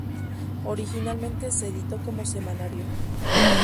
Originalmente se editó como semanario.